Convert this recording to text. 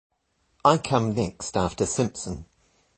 I come next after Simpson.